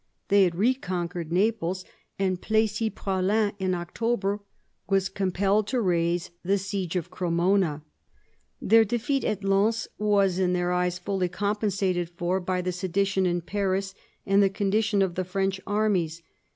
They had reconquered Naples, and Plessis Praslin in October was compelled to raise the siege of Cremona. Their defeat at Lens was in their eyes fully compensated for by the sedition in Paris and the condition of the French armies.